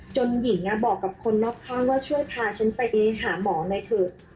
หญิงบอกกับคนรอบข้างว่าช่วยพาฉันไปหาหมอหน่อยเถอะ